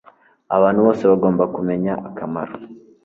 Abantu bose bagomba kumenya akamaro